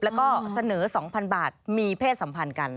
แล้วก็เสนอ๒๐๐๐บาทมีเพศสัมพันธ์กัน